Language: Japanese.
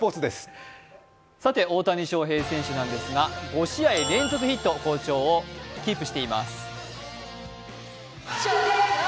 大谷翔平選手なんですが、５試合連続ヒット、好調をキープしています。